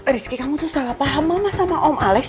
rizky kamu tuh salah paham mama sama om alex